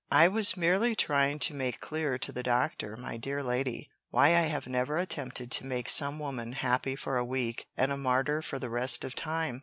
I was merely trying to make clear to the Doctor, my dear lady, why I have never attempted to make some woman happy for a week and a martyr for the rest of time.